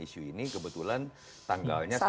isu ini kebetulan tanggalnya